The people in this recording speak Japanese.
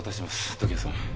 時矢さん。